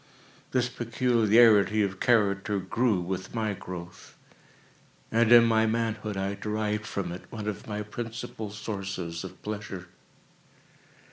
This peculiarity of character grew with my growth, and in my manhood, I derived from it one of my principal sources of pleasure.